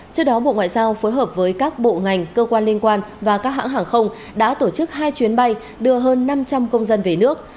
trước đó bộ ngoại giao phối hợp với các bộ ngành cơ quan liên quan và các hãng hàng không đã tổ chức hai chuyến bay đưa hơn năm trăm linh công dân về nước